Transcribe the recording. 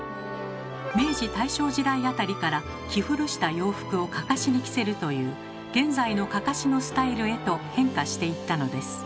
明治・大正時代あたりから着古した洋服をかかしに着せるという現在のかかしのスタイルへと変化していったのです。